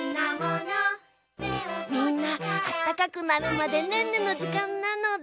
みんなあったかくなるまでねんねのじかんなのだ。